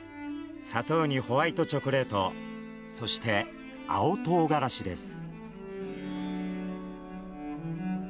砂糖にホワイトチョコレートそして、青唐辛子です。